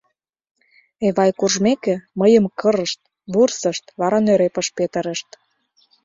Эвай куржмеке, мыйым кырышт, вурсышт, вара нӧрепыш петырышт.